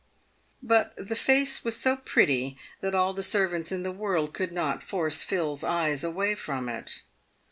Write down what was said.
But the face was so pretty that all the servants in the world could not force PhiPs eyes away from it.